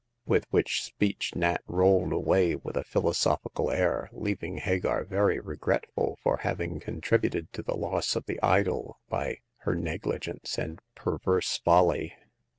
After which speech Nat rolled away with a philosophical air, leaving Hagar very regretful for having contributed to the loss of the idol by her negligence and perverse folly.